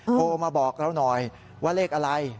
โทรมาบอกเราหน่อยว่าเลขอะไร